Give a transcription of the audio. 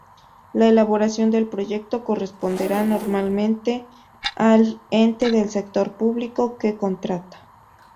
La elaboración del proyecto corresponderá normalmente al ente del sector público que contrata.